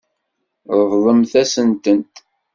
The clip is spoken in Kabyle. Ṛeḍlemt-asen-tent.